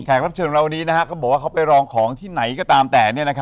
แขกรับเชิญกับเรานี้ว่าเค้าไปรองของที่ไหนก็ตามแต่